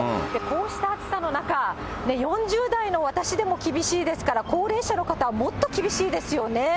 こうした暑さの中、４０代の私でも厳しいですから、高齢者の方はもっと厳しいですよね。